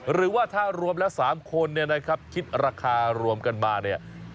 หรือว่าถ้ารวมแล้ว๓คนเนี่ยนะครับคิดราคารวมกันมาเนี่ย